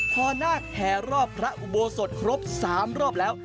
พอนาคแห่รอบพระอุโบสถครบ๓รอบแล้ว